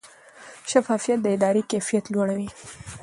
شفافیت د ادارې کیفیت لوړوي.